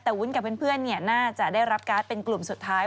แต่วุ้นกับเพื่อนน่าจะได้รับการ์ดเป็นกลุ่มสุดท้าย